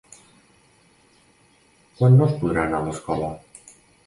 Quan no es podrà anar a escola?